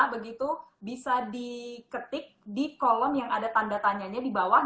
begitu bisa diketik di kolom yang ada tanda tanyanya di bawah